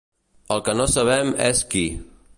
El que no sabem és qui.